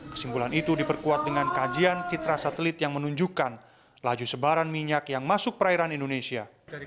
kesimpulan itu diperkuat dengan kajian citra satelit yang menunjukkan laju sebaran minyak yang masuk perairan indonesia